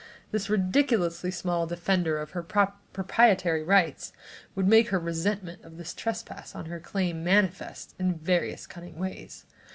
This ridiculously small defender of her propriety rights would make her resentment of this trespass on her claim manifest in various cunning ways.